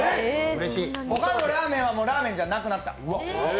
ほかのラーメンはもうラーメンじゃなくなった。